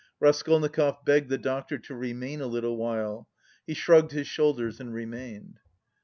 Raskolnikov begged the doctor to remain a little while. He shrugged his shoulders and remained.